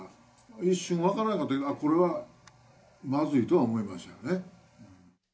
一瞬分からなかったけど、あっ、これはまずいとは思いましたよね。